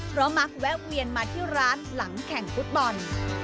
เพราะมักแวะเวียนมาที่ร้านหลังแข่งฟุตบอล